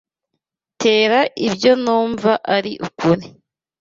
'Tera ibyo numva ari ukuri